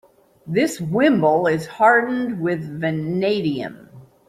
This wimble is hardened with vanadium.